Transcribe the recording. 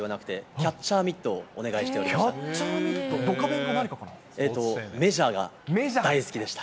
キャッチャーミット、ドカベメジャーが大好きでした。